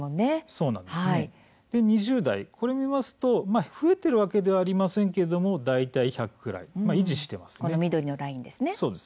２０代、これを見ますと増えているわけではありませんけれども大体１００くらい維持しています。